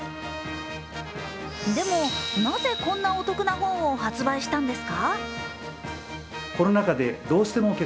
でも、なぜこんなお得な本を発売したんですか。